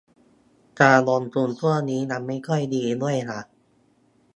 การลงทุนช่วงนี้ยังไม่ค่อยดีด้วยล่ะ